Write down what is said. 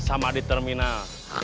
sama di terminal